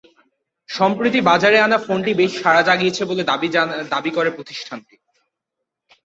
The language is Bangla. সম্প্রতি বাজারে আনা ফোনটি বেশ সাড়া জাগিয়েছে বলে দাবি করে প্রতিষ্ঠানটি।